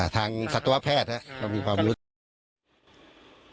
ทางศัตรูแพทย์ครับมีความรู้ทางด้าน